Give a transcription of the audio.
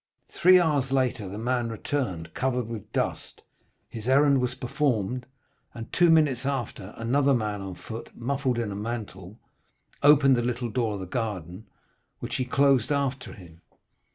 Three hours later, the man returned covered with dust, his errand was performed, and two minutes after, another man on foot, muffled in a mantle, opened the little door of the garden, which he closed after him.